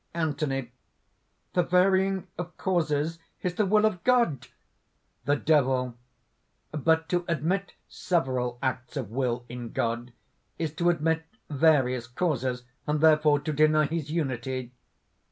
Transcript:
ANTHONY. "The varying of causes is the will of God!" THE DEVIL. "But to admit several acts of will in God is to admit various causes, and therefore to deny his unity.